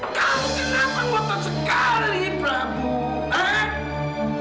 kamu kenapa ngotot sekali prabowo